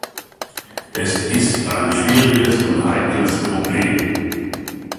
Es ist ein schwieriges und heikles Problem.